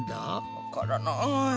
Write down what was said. わからない。